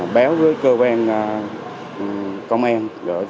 béo với cơ quan công an